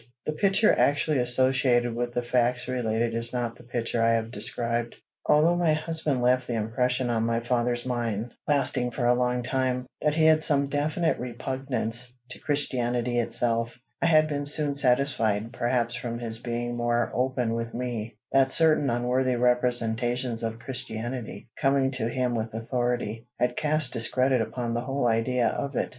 The picture actually associated with the facts related is not the picture I have described. Although my husband left the impression on my father's mind, lasting for a long time, that he had some definite repugnance to Christianity itself, I had been soon satisfied, perhaps from his being more open with me, that certain unworthy representations of Christianity, coming to him with authority, had cast discredit upon the whole idea of it.